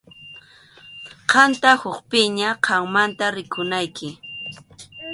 Qamtaq ukhupiña, qammanta rikunayki.